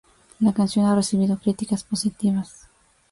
La canción ha recibido críticas positivas.